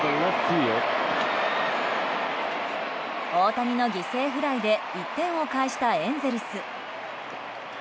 大谷の犠牲フライで１点を返したエンゼルス。